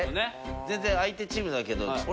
全然相手チームだけど。